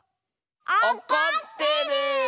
おこってる！